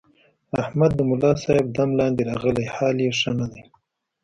احمد د ملاصاحب دم لاندې راغلی، حال یې ښه نه دی.